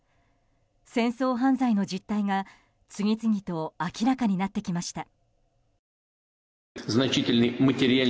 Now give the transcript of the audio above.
戦争犯罪の実態が次々と明らかになってきました。